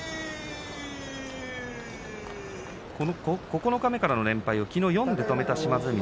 九日目からの連敗をきのう４で止めた島津海。